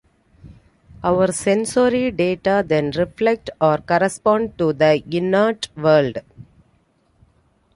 Our sensory data then reflect or correspond to the innate world.